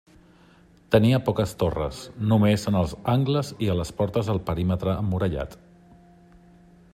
Tenia poques torres, només en els angles i a les portes del perímetre emmurallat.